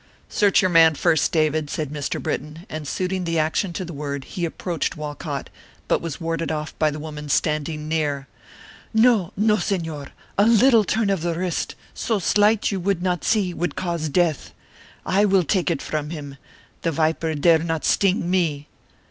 "Search your man, first, David," said Mr. Britton, and suiting the action to the word he approached Walcott, but was warded off by the woman standing near. "No, no, Señor, a little turn of the wrist, so slight you would not see, would cause death. I will take it from him; the viper dare not sting me!"